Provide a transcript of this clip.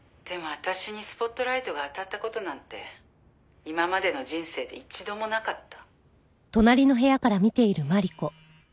私にスポットライトが当たった事なんて今までの人生で一度もなかった」